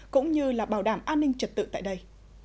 cũng như là bảo đảm an ninh trật tự tại đây